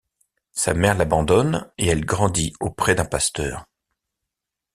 Sa mère l'abandonne, et elle grandit auprès d'un pasteur.